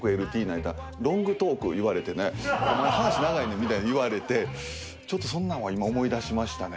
言うたらロングトーク言われてねお前話長いねんみたいに言われてちょっとそんなんは今思い出しましたね。